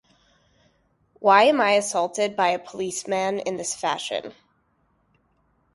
Why am I assaulted by a policeman in this fashion?